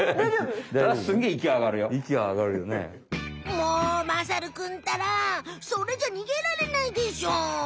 もうまさるくんったらそれじゃにげられないでしょ！